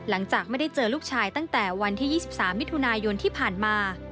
หลังจากไม่ได้เจอลูกชายตั้งแต่วันที่๒๓มิถุนายนที่ผ่านมา